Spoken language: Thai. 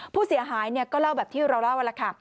ผู้เสียหายก็เล่าแบบที่เราเล่าแล้วค่ะ